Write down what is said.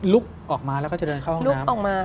ลุกออกมาแล้วก็จะเดินเข้าห้องน้ำออกมา